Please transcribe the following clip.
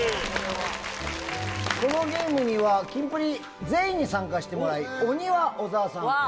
このゲームにはキンプリ全員に参加してもらい鬼は小沢さん。